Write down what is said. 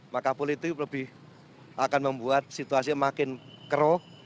maka politik lebih akan membuat situasi makin keruh